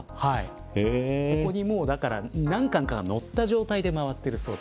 ここに何貫かが載った状態で回っているそうです。